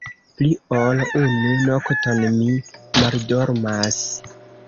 Pli ol unu nokton mi maldormas!